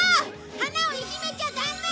花をいじめちゃダメ！